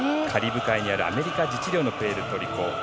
カリブ海にあるアメリカ自治領のプエルトリコ。